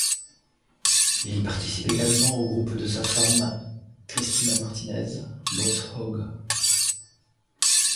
Il participe également au groupe de sa femme Cristina Martinez, Boss Hog.